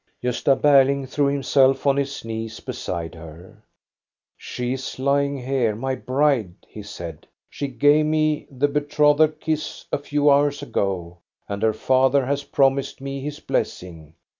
Gosta Berling threw himself on his knees beside her. " She is lying here, my bride," he said. " She gave me the betrothal kiss a few hours ago, and her father has promised me his blessing.